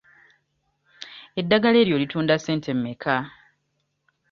Eddagala eryo olitunda ssente mmeka?